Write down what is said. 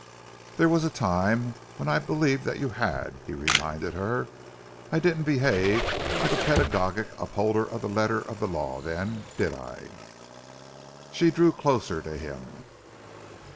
"There was a time when I believed that you had," he reminded her. "I didn't behave like a pedagogic upholder of the letter of the law then, did I?" She drew closer to him.